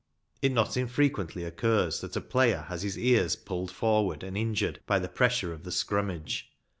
It not infrequently occurs that a player has his ears pulled forward and injured by the pressure of the scrummage.